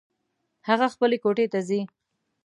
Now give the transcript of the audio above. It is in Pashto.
هغه خپلې کوټې ته ځي